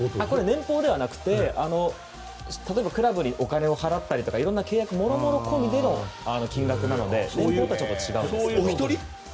年俸ではなくて、例えばクラブにお金を払ったりだとかいろんな契約もろもろ込みでの金額なので年俸とは違うんですけど。